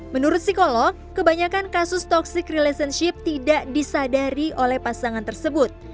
menurut psikolog kebanyakan kasus toxic relationship tidak disadari oleh pasangan tersebut